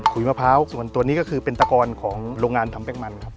มะพร้าวส่วนตัวนี้ก็คือเป็นตะกอนของโรงงานทำแป้งมันครับ